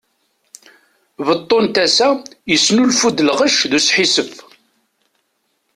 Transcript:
Beṭṭu n tassa yesnulfuy-d lɣec d usḥissef!